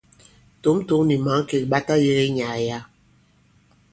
Tǒm-tǒm nì̀ mǎŋkèk ɓa tayēge nyàà yǎ.